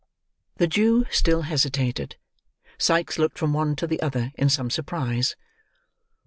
The Jew still hesitated. Sikes looked from one to the other in some surprise.